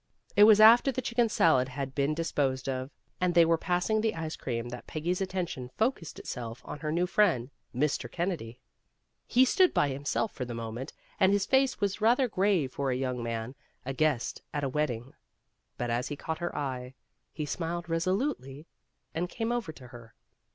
It was after the chicken salad had been dis A JULY WEDDING 321 posed of, and they were passing the ice cream, that Peggy's attention focussed itself on her new friend, Mr. Kennedy. He stood by him self for the moment and his face was rather grave for a young man, a guest at a wedding. But as he caught her eye, he smiled resolutely and came over to her.